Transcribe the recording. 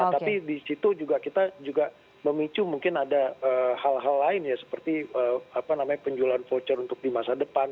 tapi di situ juga kita juga memicu mungkin ada hal hal lain ya seperti apa namanya penjualan voucher untuk di masa depan